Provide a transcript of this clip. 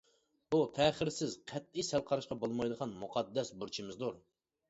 بۇ تەخىرسىز، قەتئىي سەل قاراشقا بولمايدىغان مۇقەددەس بۇرچىمىزدۇر.